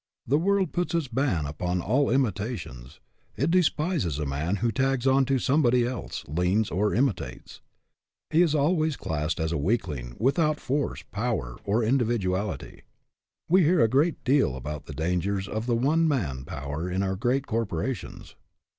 The world puts its ban upon all imitations. It despises a man who tags on to somebody else, leans or imitates. He is always classed as a weakling, without force, power, or indi viduality. We hear a great deal about the dangers of the one man power in our great corpo rations.